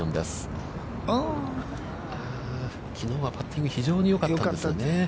きのうはパッティングが非常によかったんですがね。